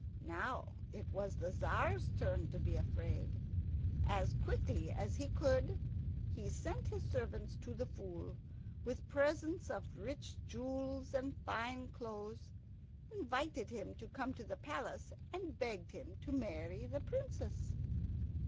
Now it was the Tzar's turn to be afraid. As quickly as he could he sent his servants to the Fool with presents of rich jewels and fine clothes, invited him to come to the palace, and begged him to marry the Princess.